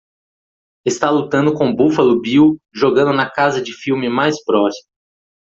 Está lutando com Buffalo Bill jogando na casa de filme mais próxima